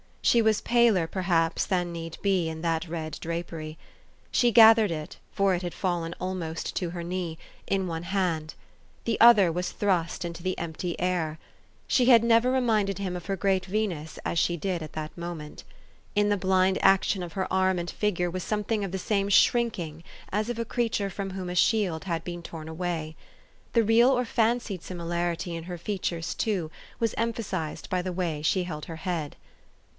She was paler, perhaps, than need be, in that red drapery. She gathered it, for it had fallen almost to her knee, in one hand. 338 THE STORY OP AVIS. The other was thrust into the empty air. She had never reminded him of her great Venus as she did at that moment. In the blind action of her arm and figure was something of the same shrinking as of a creature from whom a shield had been torn away. The real or fancied similarity in her features, too, was emphasized by the way she held her head.